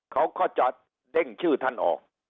เขาก็จะเด้งชื่อท่านออก